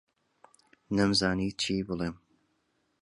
نەمزانی چی بڵێم.